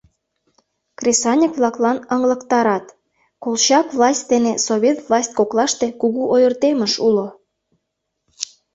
Кресаньык-влаклан ыҥлыктарат: Колчак власть дене Совет власть коклаште кугу ойыртемыш уло.